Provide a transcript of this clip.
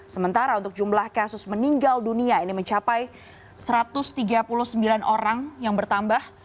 sementara untuk jumlah kasus meninggal dunia ini mencapai satu ratus tiga puluh sembilan orang yang bertambah